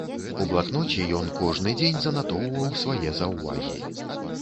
У блакноце ён кожны дзень занатоўваў свае заўвагі.